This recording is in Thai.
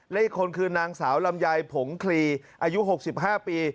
และอีกคนคือนางสาวลำไยผงคลีอายุ๖๕ปี